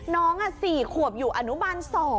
น้องอ่ะสี่ขวบอยู่อนุบาลสอง